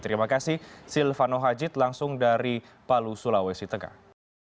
terima kasih silvano hajid langsung dari palu sulawesi tengah